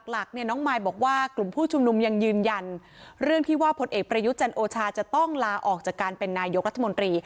หลักเนี่ยน้องมายบอกว่ากลุ่มผู้ชุมนุมยังยืนยันเรื่องที่ว่าผลเอกประยุจันโอชาจะต้องลาออกจากการเป็นนายกรัฐมนตรี